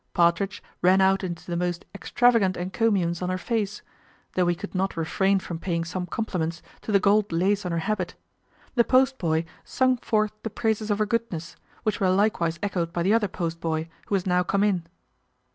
Partridge ran out into the most extravagant encomiums on her face, though he could not refrain from paying some compliments to the gold lace on her habit; the post boy sung forth the praises of her goodness, which were likewise echoed by the other post boy, who was now come in.